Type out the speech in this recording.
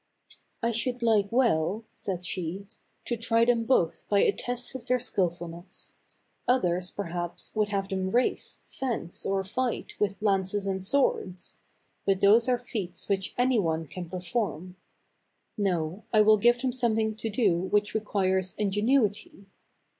"I should like well," said she, "to try them both by a test of their skillfulness. Others, per 210 THE CAB AVAN. haps, would have them race, fence or fight with lances and swords ; but those are feats which any one can perform ; no, I will give them something to do which requires ingenuity.